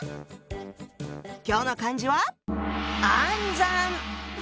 今日の漢字は「暗算」！